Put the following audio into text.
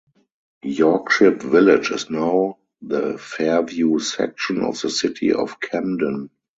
Yorkship Village is now the Fairview section of the City of Camden.